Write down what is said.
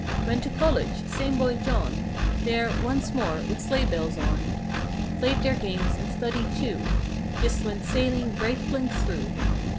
235 Went to college—same boy John— "There, once more, with sleigh bells on." Played their games and studied, too; Just went sailing right plunk through.